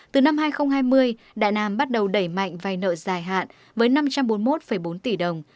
từ năm hai nghìn hai mươi đại nam bắt đầu đẩy mạnh vay nợ dài hạn với năm trăm bốn mươi một bốn tỷ đồng